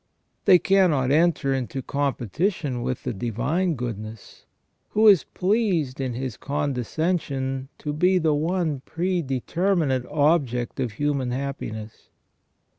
They cannot enter into competition with the Divine Goodness, who is pleased in His condescension to be the one predeterminate object of human happiness.